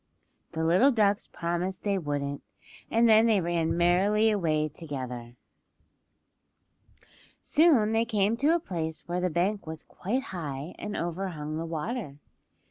The little ducks promised they wouldn't, and then they ran merrily away together. Soon they came to a place where the bank was quite high and overhung the water.